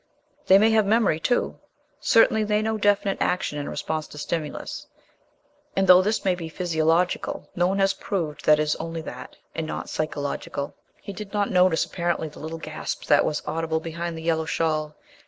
They may have memory too. Certainly, they know definite action in response to stimulus. And though this may be physiological, no one has proved that it is only that, and not psychological." He did not notice, apparently, the little gasp that was audible behind the yellow shawl.